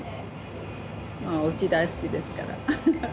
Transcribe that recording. おうち大好きですから。